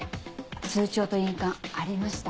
通帳と印鑑ありました。